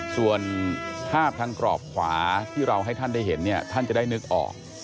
ส่วนภาพทางกรอบขวาที่เราให้ท่านได้เห็นเนี่ยท่านจะได้นึกออก